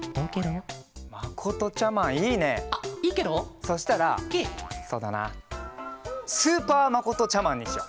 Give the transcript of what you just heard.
そしたらそうだなスーパーまことちゃマンにしよう。